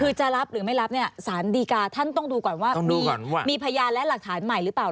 คือจะรับหรือไม่รับเนี่ยสารดีกาท่านต้องดูก่อนว่ามีพยานและหลักฐานใหม่หรือเปล่า